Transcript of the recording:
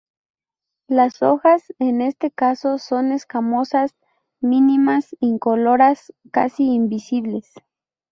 Las hojas, en este caso son escamosas, mínimas, incoloras, casi invisibles.